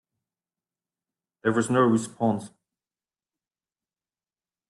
There was no response.